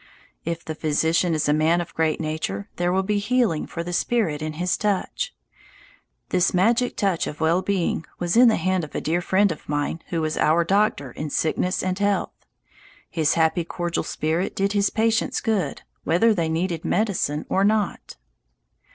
If the physician is a man of great nature, there will be healing for the spirit in his touch. This magic touch of well being was in the hand of a dear friend of mine who was our doctor in sickness and health. His happy cordial spirit did his patients good whether they needed medicine or not.